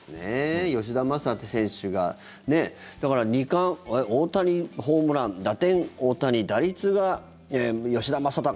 吉田正尚選手がだから、２冠大谷、ホームラン打点、大谷打率が吉田正尚。